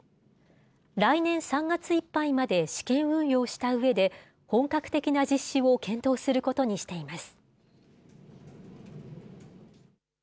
来年３月いっぱいまで試験運用したうえで、本格的な実施を検討することにしています。